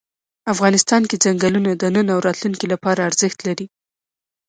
افغانستان کې ځنګلونه د نن او راتلونکي لپاره ارزښت لري.